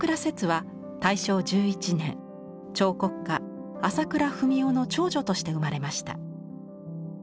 摂は大正１１年彫刻家朝倉文夫の長女として生まれました。